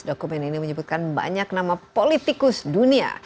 dokumen ini menyebutkan banyak nama politikus dunia